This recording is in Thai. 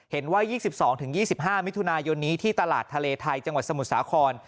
เห็นว่า๒๒๒๕มิถุนายนนี้ที่ตลาดทะเลไทยจังหวัดสมุทรสาคร